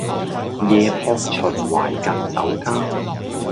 夜泊秦淮近酒家